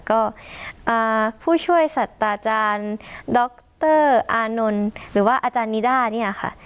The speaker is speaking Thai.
ก็อ่าผู้ช่วยซัตอาจารย์ด๊อคเตอร์อานนนหรือว่าอาจารย์นี้นี้ค่ะ